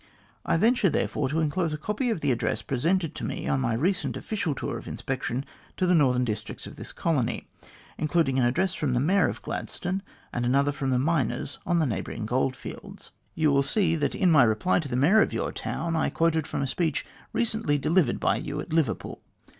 I venture, therefore, to enclose a copy of the addresses presented to me on my recent official tour of inspection to the northern districts of this colony, including an address from the Mayor of Gladstone, and another Jrom the miners on the neighbouring goldfields. You will see 192 THE GLADSTONE COLONY that in my reply to the Mayor of your town, I quoted from a speech recently delivered by you at Liverpool.